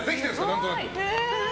何となく。